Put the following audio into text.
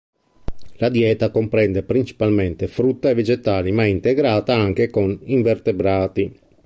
La dieta comprende principalmente frutta e vegetali, ma è integrata anche con invertebrati.